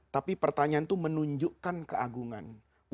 tapi pertanyaan itu menunjukkan keagungan